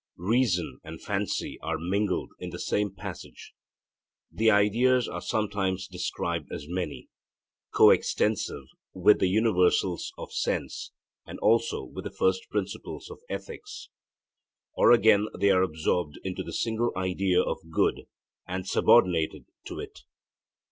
Reason and fancy are mingled in the same passage. The ideas are sometimes described as many, coextensive with the universals of sense and also with the first principles of ethics; or again they are absorbed into the single idea of good, and subordinated to it.